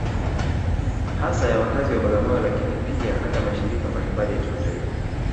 Hasa ya wakazi wa Bagamoyo Lakini pia hata mashirika mbalimbali ya kimataifa